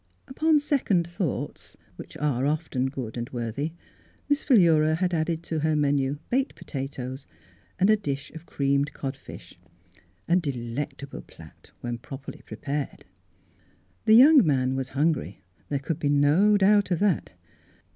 Upon second thoughts, which are often good and worthy. Miss Philura had added to her menu baked potatoes and a dish Mm Fhilura^s Wedding Gown of creamed cod fish — a delectable plat, when properly prepared. The young man was hungry, there could be no doubt of that.